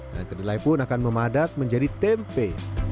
nah kedelai pun akan memadat menjadi tempe